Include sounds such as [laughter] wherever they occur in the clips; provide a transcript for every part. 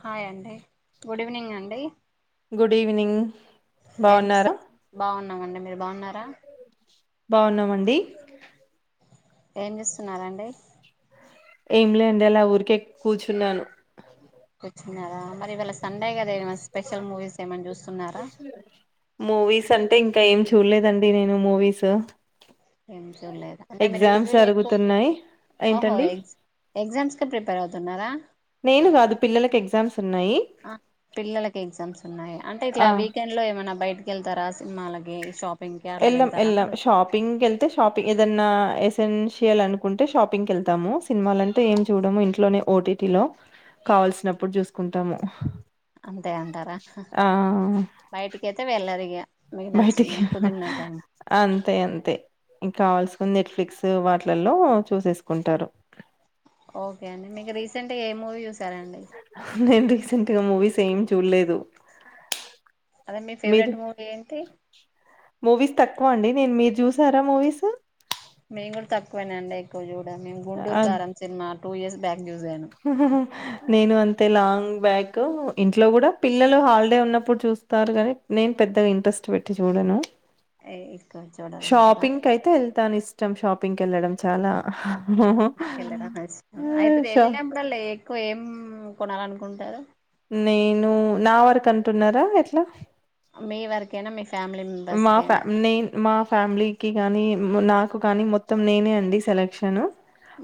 Hi అండి good evening అండి. Good evening, బాగున్నారా? న్నాండి మీరు బాగున్నారా బాగున్నామండి ఏం చేస్తున్నారండి. ఏం లేదండి, అలా ఊరికే కూర్చున్నాను. తెచ్చుకున్నారా, మరి ఇవాళ స్ సండే కదా ఏమ స్పెషల్ మూవీస్ ఏమన్నా చూస్తున్నారా మూవీస్ అంటే ఇంకా ఏం చూడలేదండి నేను మూవీస్. ఎం ఇష్టం లేదు, అంటే మీరు ఎగ్జామ్స్ టీవీలో ఎక్కువ జరుగుతున్నాయి ఓహో ఏంటండి ఎస్ ఎగ్జామ్స్ కి ప్రిపేర్ అవుతున్నారా? నేను కాదు పిల్లలకి ఎగ్జామ్స్ ఉన్నాయి ఆ పిల్లలకి ఎగ్జామ్స్ ఉన్నాయ, అంటే ఇట్లా ఆ వీకెండ్ లో ఏమైన్నా బయట గెళ్తారా సినిమాలకి ఈ శాప్ ఎల్లం ఎల్లం షాపింగ్ ఎళ్తే షాపింగ్ ఏదన్నా ఎసెన్షియల్ అనుకుంటే షాపింగ్క వెళ్తాము, సినిమాలంటే ఏం చూడము ఇంట్లోనే ఓటీటీ లో, కావాల్సినప్పుడు చూసుకుంటాము. అంతే అంటార, ఆ బయటికి ఐతే వెల్లరిగా బయటికి అంతే అంతే ఇంకా కావాల్సికుంది ఎట్ ఫ్లిక్స్ వాటిలల్లో చూసేసుకుంటారు. ఓకే అండి మీకు రీసెంట్ ఏ మూవి చూస్ నెంది రీసెంట్ గా మూవీస్ ఏం చూడలేదు. అదే మీ ఫేవరెట్ మీరు, మూవీ ఏంటి మూవీస్ తక్కువ అండి. నేను మీరు చూసారా మూవీస్ కూడ తక్కువెనండి ఎక్కువ జూడ్ ను గుంటూరు అద్ కారం సిని మా ఆ డ్ టూ ఇయర్స్ బ్యాక్ చూసాను నేను అంతే లాంగ్ బ్యాక్ ఇంట్లో కూడా పిల్లలు హాలిడే ఉన్నప్పుడు చూస్తారు గాని నేను పెద్దగా ఇంట్రెస్ట్ పెట్టి చూడను ఎక్కువ చూడాలంటారా షాపింగ్ కయితే వెళ్తాను ఇస్ ష్టం షాపింగ్కి వెళ్లడం చాలా ఉమ్ వెళ్ళడం ఇష్టం అయితే షో వెళ్ళినప్పుడల్లా ఎక్కువ ఏం కొనాలనుకుంటారు నేను నా వరకు అంటున్నారా ఎట్లా మీ వరకే నా మీ ఫ్యామిలీ మెంబర్స్ మా ఫ్యా కైనా నేన్ మా ఫ్యామిలీకి గానీ నాకు కానీ మొత్తం నేనే అండి సెలక్షన్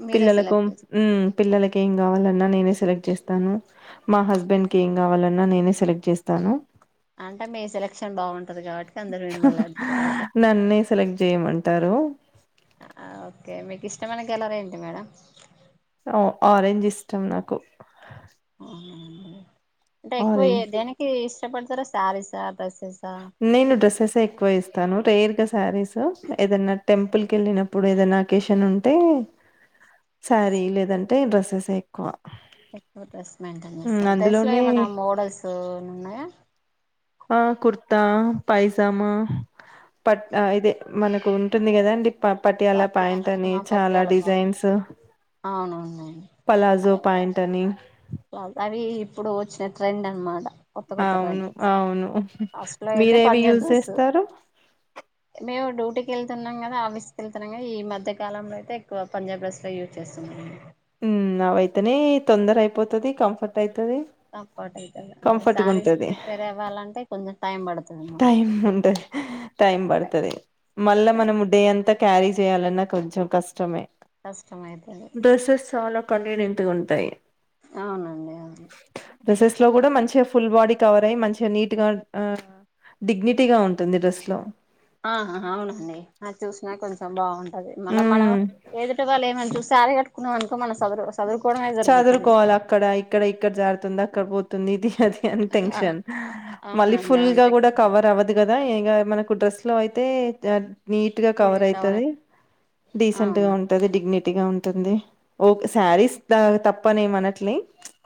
మీరే పిల్లలకు సెలెక్ట్ చేస్త ఉమ్ పిల్లలలకు ఏం కావాలో అద్ నేనే సెలెక్ట్ చేస్తాను మా హస్బెండ్ కి ఏం కావాలన్నా నేనే సెలెక్ట్ చేస్తాను అంటే మీ సెలక్షన్ బాగున్ నన్నే సెలెక్ట్ చేయమంటారు ఓకే మీకు ఇష్టమైన కలర్ ఏంటి మేడం ఆ ఆరెంజ్ ఇష్టం నాకు అవునా టే ఎక్కువ ఆరెంజ్ దేనికి ఎస్ కొంటరా శారీస డ్రెస్సెస్ నేను డ్రెస్సెస్ ఎక్కువ ఇస్తాను రేర్ గా శారీస్ ఏదన్నా టెంపుల్కి వెళ్ళినప్పుడు ఏదైనా అకేషన్ ఉంటే శారీ లేదంటే డ్రెస్సెస్ ఏ ఎక్కువ ఎక్కువ డ్రెస్ మెయింటైన్ హ్మ్. చేస్తారు డ్రెస్ లో అందులోనే ఏమైనా మోడల్స్ ఉన్నాయా ఆ కుర్తా పైజామా పట్ ఇదే మనకు ఉంటుంది కదా అండి ప పటియాల ప్యాంట్ అని పత్యాల చాలా పత్యాల పాయింట్ డిజైన్స్ అవును పలాజో ప్యాంట్ అని ప్లా అవి ఇప్పుడు వచ్చిన ట్రెండ్ అన్ మాట అవును అవును ఫస్ట్ లో అయితే మీరేవి పంజాబ్ యూజ్ డ్రెస్ చేస్తారు ఇంటికెళ్తున్నాం కదా ఆఫీస్కి వెళ్తున్నాం ఈ మధ్య కాలంలో అయితే ఎక్కువ పంజాబ్ డ్రెస్ లే యూజ్ చేస్తనండి ఉమ్ అవైతేనే తొందర అయిపోతది కంఫర్ట్ అయితు తప్పటి కదా శారీస్ ఉంటది ప్రిపేర్ అవ్వాలంటే కొంచెం టైం పడుతుంది మళ్ళీ టైం ఉంటది టైం పడుతది మళ్ళా మనము డే అంతా క్యారీ చేయాలన్నా కొంచెం కష్టమే కష్టమైతది కన్వినెంట్ గా ఉంటాయి అవునండి అవును డ్రెసెస్ లో కూడా మంచిగా ఫుల్ బాడీ కవర్ అయ్యి మంచిగా నీట్ గా డిగ్నిటీగా ఉంటుంది డ్రెస్ లో ఆహా అవునండి అది చూసినా కొంచెం బాగుంటంది అదే మళ్ళ మనం ఉమ్ ఎదుట వాళ్ళు ఏమని చూ సారిగట్ చదురుకోవాలి అక్కడ ఇక్కడ ఇక్కడ జారుత తుంది అక్కడ పోతుంది ఇది అది ఆ టెన్షన్ మళ్ళీ అవునండి ఫుల్ అవును గా కూడా తెచ్చుకుంటారు కవర్ అవ్వదు కదా ఇ మన డ్రెస్ లో అయితే నీట్ గా ఫుల్ కవర్ అవుతుది అయిపో డీసెంట్ గా అవును ఉంటది డిగ్నిటీ గట్టిగా ఉంటుంది ఓ శారీస్ తప్పనేమి అనట్లే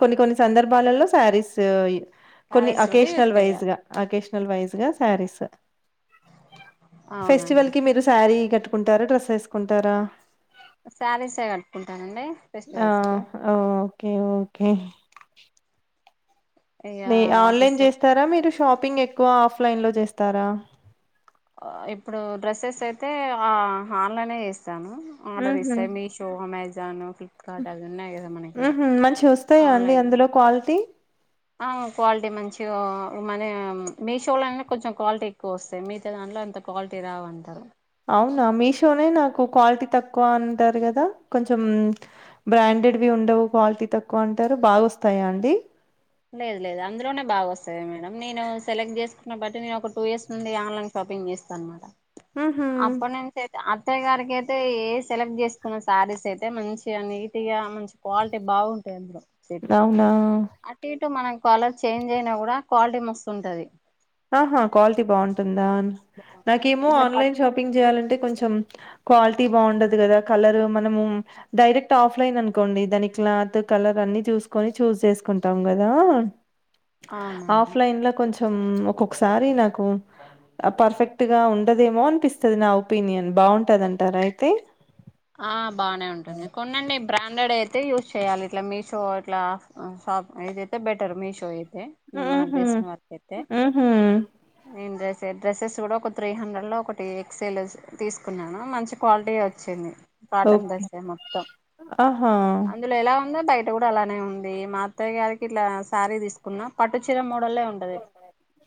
కొన్ని కొన్ని సందర్భాలలో శారీస్ [inaudible] కొన్ని శారీస్ కూడా యూజ్ అకేషనల్ వైజ్ చేయాలి గా అకేష కల్వైస్గా శారీస్ ఫెస్టివల్ అవునండి కి మీరు సారీ కట్ కుంటారా డ్రెస్ వేసుకుంటారా సారీస్ ఏ కట్ కుంటానండి ఆ! ఫెస్టివల్స్ కి ఓకే ఓకే ఇగ మీ ఆఫీస్ ఆన్లైన్ చేస్తారా మీరు షాపింగ్ ఎ ఎక్కువ ఆఫ్లైన్లో చేస్తారా ఇప్పుడు డ్రెస్సెస్ అయితే ఆ ఆన్లైనే చేస్ ఆర్డర్ హుహు. ఇస్తే మీషో అమెజాన్ ఫ్లిప్కార్ట్ అవి ఉన్నాయి కదా మనకి హుహు. మంచివొస్తాయా అండి ఆన్లైన్ అందులో క్వాలిటీ? ఆ క్వాలిటీ మంచిగా మన మీషోలో కొంచెం క్వాలిటీ ఎక్కువ వస్తాయి మీతో దాంట్ల ఎంత క్వాలిటీ రావ అంటారు అవునా మీషోనే నాకు క్వాలిటీ తక్కువ అంటారు కదా కొంచెం బ్రాండెడ్వి ఉండవు క్వాలిటీ తక్కువ అంటారు బాగావస్తాయా అండి లేదు లేదు అందులోనే బాగా వస్తుంది మేడం నేను సెలెక్ట్ చేసుకున్న బట్టి నేను ఒక టూ ఇయర్స్ నుండి ఆన్లైన్ షాపింగ్ చేస్తా అన్నమాట హుహు. అప్పుడు నేను చేస్తా అద్ అత్తయ గారికి అయితే ఏ సెలెక్ట్ చేసుకున్న శారీస్ అయితే మంచిగా నీట్ గా మంచి క్వాలిటీ బాగుంటాయి వచ్చేటి అవునా అటు ఇటు మనం కలర్ చేంజ్ అయినా గూడా క్వాలిటీ మస్తు ఉంటది ఆహ క్వాల్టీ బాంటది. డాన్ నాకేమో ఇట్లా పట్ ఆన్లైన్ షాపింగ్ జేయాలంటే కొంచెం. క్వాల్టీ బాండద్ గదా కలరు మనము డైరెక్ట్ ఆఫ్ లైన్ అన్కోండి దాని క్లాతు కలరన్ని చూస్కొని చూస్జేస్కుంటాం గదా. అవునవును ఆఫ్లైన్ లొ కొంచ్ సమ్ ఒ కొక్సారి నాకు అ పర్ఫెక్ట్ గా ఉండదేమో అన్పిస్తది నా ఒపీనియన్ బాగుంటదంటారా ఐతే. ఆ బానే ఉంటుంది కొన్నండెబ్. బ్రాండెడైతే యూజ్ చెయ్యాలి ఇట్ల మీషో ఇట్ల అ షాప్ ఐదైతే బెటర్ మీషోయే. తె మ్ నాక్ హుహు. దెల్సిన్ వర్కైతె హుహు. నేన్ దెస్. తె డ్రెస్సెస్ గూడా ఒక త్రీ హండ్రెడ్లో ఒకటి ఎక్సెల్ స్ తీస్కున్నాను మంచి క్వాల్టీయే వచ్చింది. Cotton okay. డ్రెస్సే మొత్తం ఆహా! అందులొ ఎలా. ఉంద టైటుగూడలానే ఉంది మా అత్తయ్య గారికిట్ల శారీ దీస్కున్నా పట్టుచీర మొ. భల్లే ఉంటది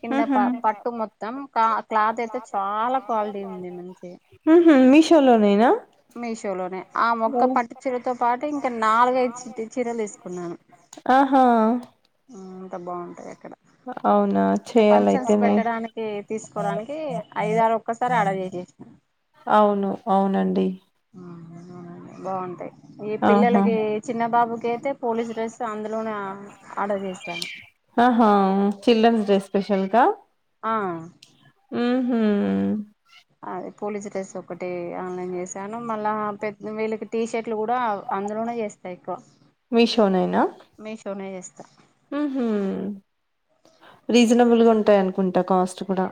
కింద ఆహా ప పట్టు మొత్తం కా క్లాతైతే చాలా క్వాల్టీ ఉంది మంచి. ఉహు మీషోలోనేనా మీషోలోనే ఆ మొక్క పట్టు చీరతో పాటు ఇంక నాలుగైద్ చిట్టి చీరల్ దీస్కున్నాను ఆహా ఆ. అంత బావుంటాయా. ఔనా చేయాలైతేనే పెట్టడానికి తీసుకోవడానికి ఐదారు ఒక్కసారి ఆర్డర్ చేసేసిన ఔను ఔనండి. ఉమ్ ఔనవ్నాండి బాగుంటాయ్. ఈ ఆహా పిల్లలకి చిన్న బాబుకైతే పోలీస్ డ్రెస్ అందులోనే ఆ ఆడర్ జేశాను. ఆహా చిల్డ్రన్స్ డే స్పెషల్ క అ హుమ్. పోలీస్ డ్రెస్సొకటి ఆన్లైన్ జేశాను మళ్ళా పెద్ద వీళ్ళకి టీ షట్లు గూడా అందులోనే జేస్త ఎక్కువ. మీషో నేన. మీషోనే చేస్తా మ్మ్ హూ రీజనబుల్గుంటాయన్. కుంట కాస్ట్ కుడా.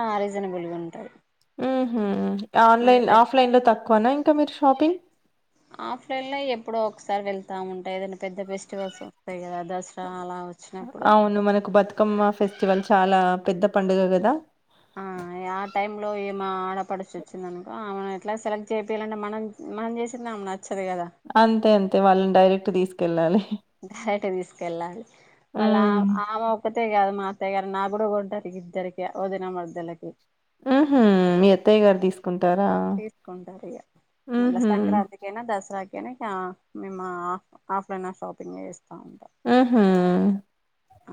ఆ రీజనబుల్గుంటాయ్. ఉహూ ఆన్లైన్ల్ ఆఫ్లైన్లొ తక్కువన ఇ. క మీర్ షాపింగ్. ఆఫ్లైన్లొ ఎప్పుడో ఒక్సారి వెళ్తాముంటాయ్ ఏదైన పెద్ద ఫెస్టివల్సొస్తాయ్ గద. దస్రా అలా వచ్చినప్పుడు. కమ్మ ఫెస్టివల్ చాలా పెద్ద పండుగ గద. అ యా టైమ్ లో ఏమా ఆడపడుచొచ్చిందనుకో ఆమెనెట్లా సెలెక్ట్ జేపియ్లంటె మనం మనం జేసిందామెన. అంతె అంతె వాళ్ళన్ డైరెక్ట్ దీస్ కెల్లాలె. డైరెక్ట్ తీసుకెళ్ళాలి మళ్ళా ఉమ్ ఆమె ఒక్కతే కాదు మాత్తగ్గారు నా గుడు గంటరి గద్దరికి ఓదనా మదలకి హ ఎత్తయ్య గారు తీసుకుంటారా తీసుకుంటారు ఇగ హ మేఫ ఆఫ్లైన్ షాప్ పేస్తాం ఆహా ఆ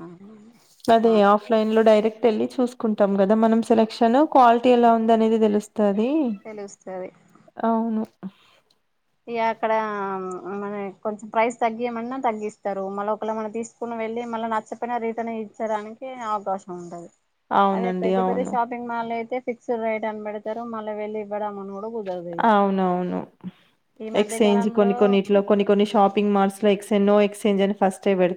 అదే ఆఫ్లైన్ లో డైరెక్ట్ తెళ్ళలి చూసుకుంటాం కదా మనం సెలక్షన్ క్వాలిటీ ఎలా ఉంది అనేది తెలుస్తుంది తెలుస్తది వస్తుది అవును అస్ ఇ అక్కడ మన కొంచెం ప్రైస్ తగ్గియమన్నా తగ్గిస్తారు మళ్ళ ఒకళ మన తీసుకుని వెళ్ళి మళ్ళీ నచ్చపోయిన రీటన్ ఇచ్చడానికి అవకాశం ఉండది అదే అవునండి ఇదే పెతే అవును షాపింగ్ మాల్ ఇదతే ఫిక్స్డ్ రేట్ అని పెడతారు మళ్ళీ వెళ్ళి ఇ్వడంమని కూడా గు అవునవును ఈ మధ్య ఎక్స్చేంజ్ కాలంలో కొన్ని కొన్నిట్లో కొన్ని కొన్ని షాపింగ్ మాల్స్ లో ఎక్స్చేంజ్ నో ఎక్స్జన్ ఫస్ట్ వెడు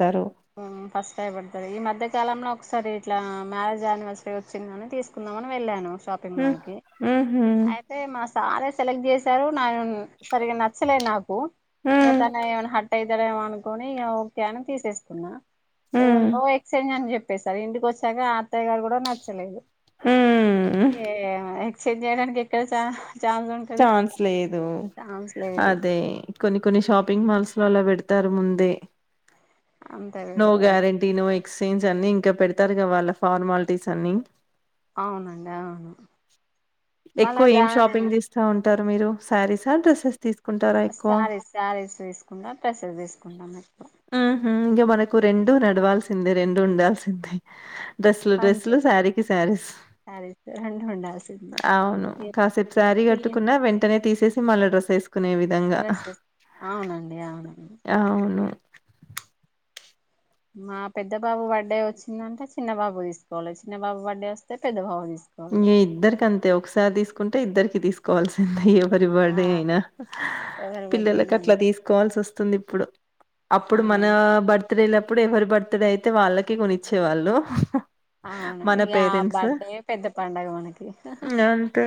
హమ్ ఫస్ట్ టైం పడ్డది ఈ మధ్య కాలంలో ఒకసారి ఇట్లా మ్యారేజ్ యానివర్సరీ వచ్చిందని తీసుకుందామని వెళ్ళాను షాపింగ్ హ్మ్. మాల్ కి హుహు. అయితే మాస్ చాలా సెలెక్ట్ చేశారు న సరిగ నచ్చలే నాకు ఇంగా హ్మ్. తాను ఏమైనా హట్యి అయితే ఇద్దర అనుకుని ఇంగ ఒకే అని తీసేసుకున్న ఇంగ హ్మ్. నో ఎక్స్చేంజ్ అని చెప్పి చెప్పేసారి ఇంటికి వచ్చాక అత్తయ్య గారు కూడా నచ్చలేదు హ్మ్. ఇంగ చేయడానికి ఎక్కడ సార్ ఛాన్స్ లేదు ఛాన్స్ లేదు అది కొన్ని కొన్ని షాపింగ్ మాల్స్ ఇవాళ పెడతారు ముందే అంతే నో పెడతారు గ్యారెంటీ నో సీన్స్ అన్ని ఇంకా పెడతారు గా వాళ్ళ ఫార్మాలిటీస్ అన్ని అవునండి అవును మల్ల ఎక్కువ ఏం దానీ షాపింగ్ చేస్తా ఉంటారు మీరు సారీస్ ఆ డ్రెస్స ఆ తీసుకు శారీస్ శారీస్ తీసుకుంటా పెసెస్ తీసుకుంటాం ఎప్పుడు నాకు రెండు నడవాల్సిందే రెండు ఉండాల్సిందే డ్రెస్లు డ్రెస్సు అంతే లు శారీకి శారీస్ శారీస్ రెండు ఉండాల్సింది అవును కాసేపు శారీ క పిల్లి ట్టుకున్నా వెంటనే తీసే మళ్ళ సస్ కునే విధంగా డ్రెస్సెస్ అవునండి అవునండి అవును మా పెద్ద బాబు బర్త్డే వచ్చిందంటే చిన్నబాబు తీసుకోవాలి చిన్న బాబు బర్త్డే వస్తే పెద్ద బాబు తీసు న ఇద్దరిక అంతే ఒకసారి తీసుకుంట ఇద్దరికి తీసుకోవాల్సిందే పరిపడ అయినా ఎవరి బర్త్డేనా పిల్లలలకు అంతే. అట్లా తీసుకోవాల్సి వస్తు స్తుంది ఇప్పుడు అప్పుడు మన అవును బర్త వెళ్ళప్పుడు ఎవరి బర్త్డే అయితే వాళ్ళకి కొనిచ్చేవాళ్ళు అవును మన పేరెంట్స్. బర్డే పెద్ద పండగ మనకి అంతే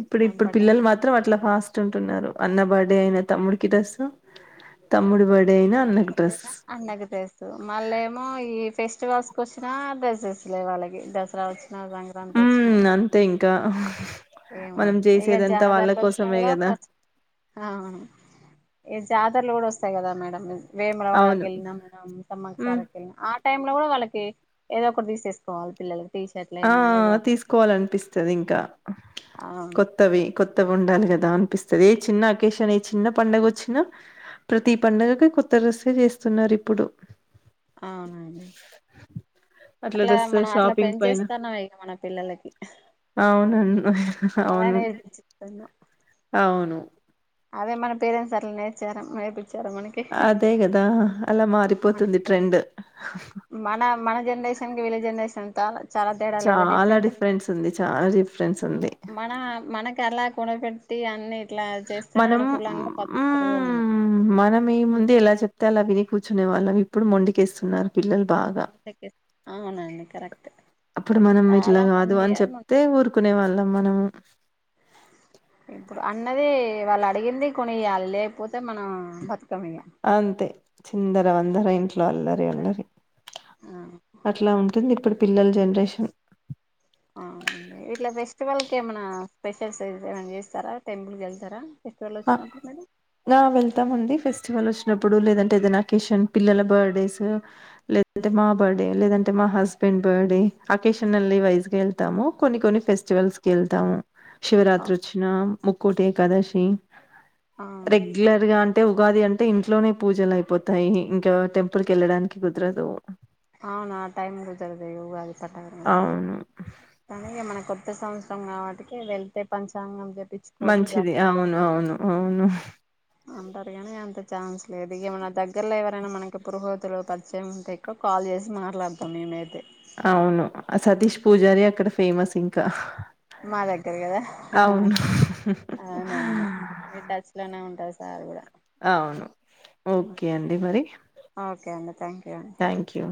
ఇప్పుడు ఆ ఇప్పుడు బట్టలు పిల్లలు మాత్రం అట్లా ఫాస్ట్ ఉంటు అన్న బర్డే అయిన తమ్ముడి కి రస్ తమ్ముడు బర్డే అయినా అన్నకు అే డ్రెస్ అన్నకి తెలుసు మళ్ళ ఏమో ఈ ఫెస్ ఫట్ క్స్క వచ్చినాడ్రస్సేస్లే వాళ్ళకి దసరా వచ్చ నాదంగ రాంతొచ్చిన కా ఏమ ఇక జాదర్లో వచ్చినా కోసమే కూడా కదా ఫస్ జా ఇసర్లు కూడా వస్తయి కదా మ్యాడంమ్ వేములవాడకి అవును వెళ్ళినాం మనం ఉమ్ సమాక్షసారకి వెళ్ళినాం ఆ టైమ్ లో కూడా వాళ్ళకి ఏదో ఒకటి తీసేసుకోవాలిల్లకి ఆ తీసుకోవాలనిపిస్తుంది ఇంకా అవును కొత్తవి కొత్తవి ఉండాలి కదా అనిపిస్తుది ఏ చిన్న అకేషన్ ఏ చిన్న పండుగ వచ్చినా ప్రతి పండుగకి కొత్త రసే చేస్తున్నారు ఇప్పుడు అవునండి అట్లా డ్రెస్ మనం అట్లా పె షాపింగ్ పైన చేస్తుాన్నాం ఇక మన పిల్లలకి అవునను అవును మనమేనేస్తున్నాం అవును. అదే మన పేరెంట్స్ అట్లా నేర్చారు నేర్పించ అదే కదా అలా మారిపోతుంది మనకి ట్రెండ్ ఇంకా విల్లా జనరేషన్ అంతా చాలా డిఫరెన్స్ ఉంది చాలా డిఫరెన్స్ ఉంది మన మనకు అలా కునపెట్టి అన్ని ఇట్లా చేస్తేనే మనం అనుకూలంగా పద్ధతులుగా ఉన్నాయి ఉమ్ మనం ఏం ముందు ఎలా చెప్ తెల విని కూర్చునే వాళ్ళం ఇప్పుడు మొంకేస్తున్నారు పిల్లలు బాగా అవునండి కరెక్ట్ అప్పుడు మనం ఇట్లా చాలా కాదు మొండి అని చెప్తే మొండి ఊరుకునే వాళ్ళం మనము ఇప్పుడు అన్నది వాళ్ళు అడిగింది కొనిళు లేకపోతే మనం ఇగ అంతే చిందర వందర ఇంట్లో అల్లరి అల్లరి ఆ అట్లా ఉంటుంది ఇప్పుడు పిల్లల జనరేషన్ అవునండి ఇట్ల ఫెస్టివల్ క ఏమనా స్పెషల్స్ ఏ చేస్తారా టెంపుల్కి వెళ్తారా ఫెస్టివల్ వచ్చినప్పుడు మీరు ఆ వెళ్తాము అండి ఫై ఫెస్టివల్ వచ్చినప్పుడు లేదంటే ఏదైనా అకేషన్ పిల్లల బర్త్డేస్ లేదంటే మా బర్త్డే లేదంటే మా హస్బెండ్ బర్త్డే అకేషన్ళ్ వైజ్గా వెళ్తాము కొన్ని కొన్ని ఫెస్టివల్స్ కి వెళ్తాము శివరాత్రి వచ్చిన ముక్కోటి ఏకాదశి రెగ్యులర్ గా అంట అయితే ఉగాది అంటే ఇంట్లోనే పూజలు అయిపోతాయి ఇంకా టెంపుల్కి వెళ్ళడానికి కుదరదు అవునా టైమ్ కుడుగుతరదయవతే చట్టాగర అవును తనగా మన కొ కొత్త సంవత్సరం కాబట్టి వెళ్తే పంచాంగం చెప్ మంచిది అవును అవును అవును అంటారు కానీ అంత ఛాన్స్ లేదు ఇక మన దగ్గరలో ఎవరైనా మనకి పురోహోతులు పరిచయం ఉంటే ఎక్కువ కాల్ చేసి మాట్లాడతాం మేమైతే అవును సతీష్ పూజారి అక్కడ ఫేమస్ ఇంకా మా దగ్గర కదా అవును అవునవును మీ టచ్ లోనే ఉంటుంది త కూడా అవును ఓకే అండి మరి ఒకే అండి థ్యాంక్యూ థ్యాంక్ యూ